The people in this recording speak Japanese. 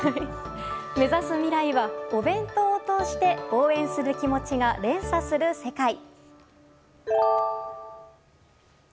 目指す未来は、お弁当を通して応援する気持ちが連鎖する世界。